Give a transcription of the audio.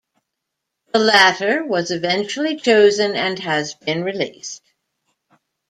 The latter was eventually chosen and has been released.